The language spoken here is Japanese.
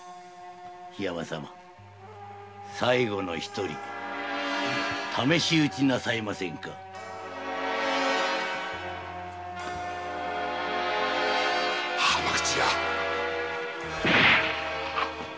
桧山様最後の一人試し撃ちなさいませんか？浜口屋！？